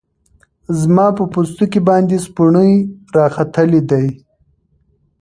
زما په پوستکی باندی سپوڼۍ راختلې دی